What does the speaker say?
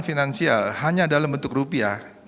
finansial hanya dalam bentuk rupiah